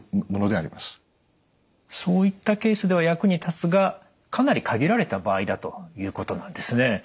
そういったケースでは役に立つがかなり限られた場合だということなんですね。